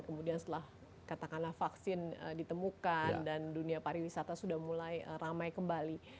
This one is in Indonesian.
kemudian setelah katakanlah vaksin ditemukan dan dunia pariwisata sudah mulai ramai kembali